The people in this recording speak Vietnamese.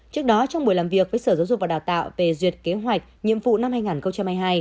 trước đó trong buổi làm việc với sở giáo dục và đào tạo về duyệt kế hoạch nhiệm vụ năm hai nghìn hai mươi hai